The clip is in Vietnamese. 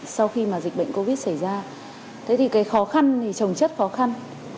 sau khi mà dịch bệnh covid xảy ra thế thì cái khó khăn thì trồng chất khó khăn